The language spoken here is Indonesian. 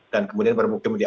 dan kemudian berpukul di amerika